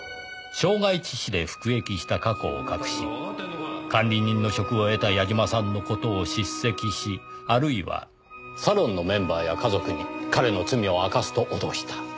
傷害致死で服役した過去を隠し管理人の職を得た矢嶋さんの事を叱責しあるいはサロンのメンバーや家族に彼の罪を明かすと脅した。